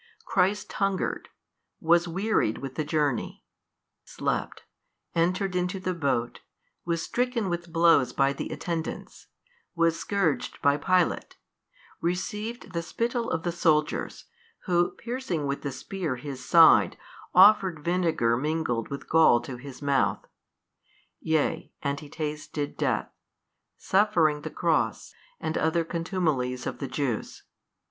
Christ hungered, was wearied with the journey, slept, entered into the boat, was stricken with blows by the attendants, was scourged by Pilate, received the spittle of the soldiers, who piercing with the spear His Side, offered vinegar mingled with gall to His Mouth: yea and He tasted death, suffering the Cross and other contumelies of the Jews.